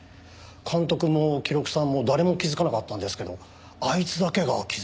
監督も記録さんも誰も気づかなかったんですけどあいつだけが気づいて。